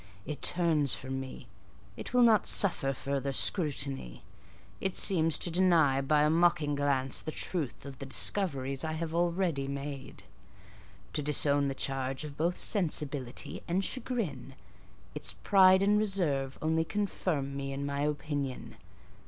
It turns from me; it will not suffer further scrutiny; it seems to deny, by a mocking glance, the truth of the discoveries I have already made,—to disown the charge both of sensibility and chagrin: its pride and reserve only confirm me in my opinion.